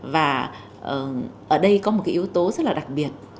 và ở đây có một cái yếu tố rất là đặc biệt